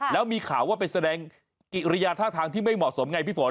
แล้วมีข่าวว่าไปแสดงกิริยาท่าทางที่ไม่เหมาะสมไงพี่ฝน